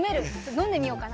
飲んでみようかな。